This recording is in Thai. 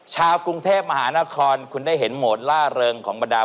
สตรอนดูรีแต่